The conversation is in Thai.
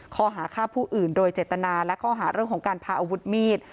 ข้อหาฆ่าผู้อื่นโดยเจตนาและข้อหาเรื่องของการพาอาวุธมีด